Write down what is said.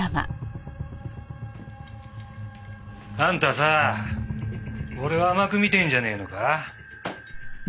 あんたさ俺を甘く見てんじゃねえのか？